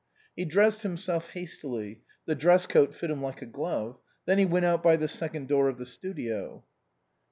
He dressed himself hastily ; the dress coat fitted him like a glove. Then he went out by the second door of the studio.